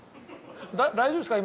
大丈夫ですか？